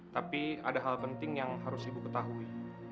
tapi ada hal penting yang harus ibu ketahui